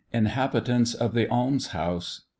INHABITANTS OF THE ALMS HOUSE.